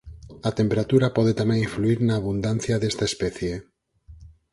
A temperatura pode tamén influír na abundancia desta especie.